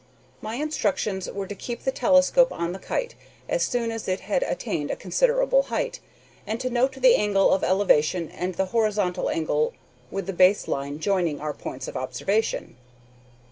My instructions were to keep the telescope on the kite as soon as it had attained a considerable height, and to note the angle of elevation and the horizontal angle with the base line joining our points of observation.